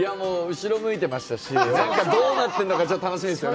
後ろ向いてましたし、どうなってるのか、楽しみですよね。